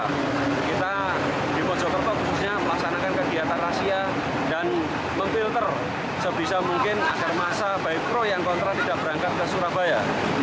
kita di mojokerto khususnya melaksanakan kegiatan rahasia dan memfilter sebisa mungkin agar masa baik pro yang kontra tidak berangkat ke surabaya